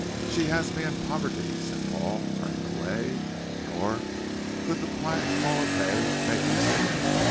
"She has me and poverty," said Paul, turning away. Nor could the quiet call of Hay make him stop.